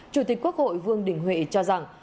chủ tịch quốc hội vương đình huệ cho rằng